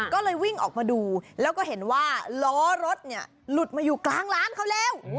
ก็เลยวิ่งออกมาดูแล้วก็เห็นว่าล้อรถเนี่ยหลุดมาอยู่กลางร้านเขาแล้ว